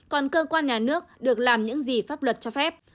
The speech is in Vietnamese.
còn cơ quan nhà nước được làm những gì pháp luật cho phép